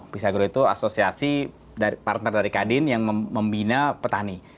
visa grow itu asosiasi partner dari kadin yang membina petani